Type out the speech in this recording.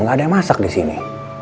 gak ada yang masak disini